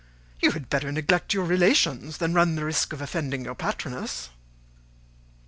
You had better neglect your relations than run the risk of offending your patroness."